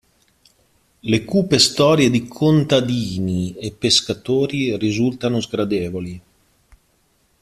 Le cupe storie di contadini e pescatori risultano sgradevoli.